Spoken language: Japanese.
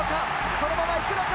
そのまま行くのか？